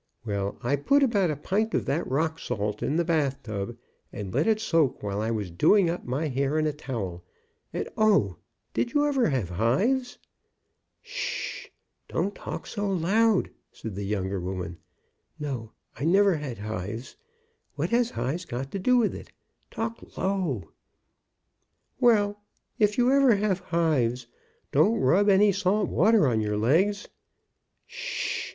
Well, I . put about a pint of that rock salt in the bathtub, and let it soak while I was doing up my hair in a towel, and, O, did you ever have hives ?" "Sh sh sh! Don't talk so loud," said the younger woman. "No, I never had hives. What has hives got to do with it? Talk low." "Well, if you ever have hives don't rub any salt water on your legs " "Sh sh!